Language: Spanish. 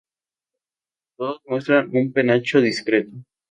Todos muestran un penacho discreto.